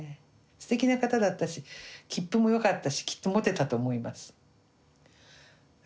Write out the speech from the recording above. すてきな方だったしきっぷもよかったしきっとモテたと思います。